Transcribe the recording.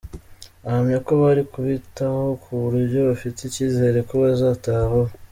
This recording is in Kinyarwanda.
Ahamya ko bari kubitaho ku buryo bafite icyizere ko bazataha vuba.